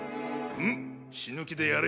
うむ死ぬ気でやれ。